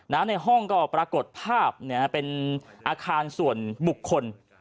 ในห้องก็ปรากฏภาพเป็นอาคารส่วนบุคคล